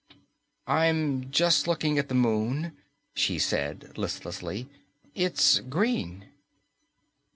_ "I'm just looking at the Moon," she said listlessly. "It's green."